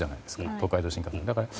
東海道新幹線。